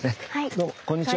どうもこんにちは。